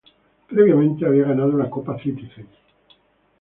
Previamente había ganado la Copa Citizen.